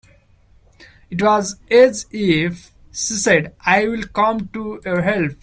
It was as if she said, "I will come to your help."